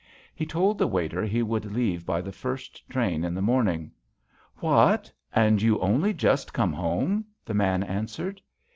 He told the waiter he would leave by the first train in the morning. " What ! and you only just come home?" the man answered.